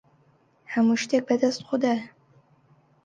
هەموو شتێک بەدەست خودایە.